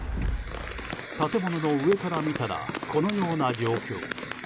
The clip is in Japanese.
建物の上から見たらこのような状況。